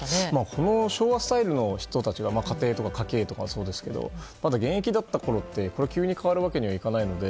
この昭和スタイルの人たちが家庭とか家計とかそうですけどまだ現役だったころって急に変えるわけにはいかないので。